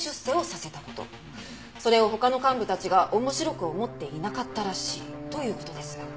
それを他の幹部たちが面白く思っていなかったらしいという事です。